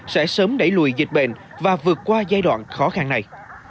sẽ sớm đẩy lùi dịch bệnh và vượt qua giai đoạn khó khăn này